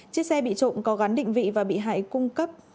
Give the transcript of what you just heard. chiếc xe bị trộm có gắn định vị và bị hại cung cấp